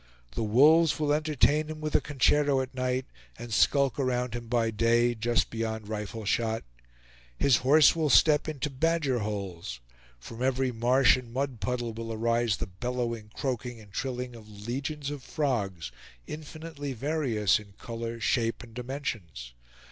The wolves will entertain him with a concerto at night, and skulk around him by day, just beyond rifle shot; his horse will step into badger holes; from every marsh and mud puddle will arise the bellowing, croaking, and trilling of legions of frogs, infinitely various in color, shape and dimensions.